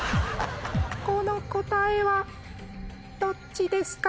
この答えはどっちですか？